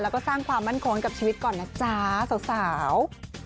แล้วก็สร้างความมั่นคงกับชีวิตก่อนนะจ๊ะสาว